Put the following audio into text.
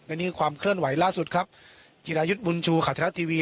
อันนี้ความเคลื่อนไหวล่าสุดครับจิรายุทธ์บุญชูขาวธิรัตนาทีวี